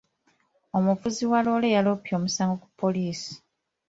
Omuvuzi wa loole yaloopye omusango ku poliisi.